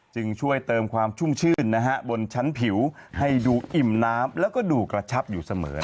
จึงช่วยเติมความชุ่มชื่นนะฮะบนชั้นผิวให้ดูอิ่มน้ำแล้วก็ดูกระชับอยู่เสมอ